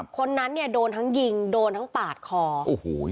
คนนั้นโดนทั้งยิงโดนทั้งปากคอ